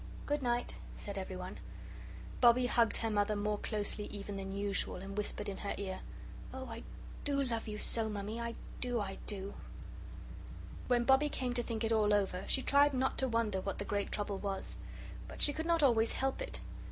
"Good night," said everyone. Bobbie hugged her mother more closely even than usual, and whispered in her ear, "Oh, I do love you so, Mummy I do I do " When Bobbie came to think it all over, she tried not to wonder what the great trouble was. But she could not always help it.